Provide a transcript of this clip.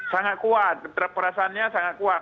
sangat kuat perasaannya sangat kuat